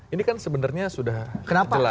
ini kan sebenarnya sudah jelas